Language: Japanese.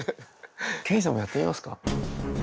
刑事さんもやってみますか？